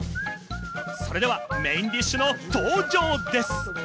それではメインディッシュの登場です。